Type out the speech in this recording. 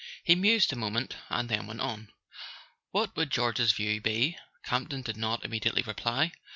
He mused a moment, and then went on: "What w r ould George's view be?" Campton did not immediately reply.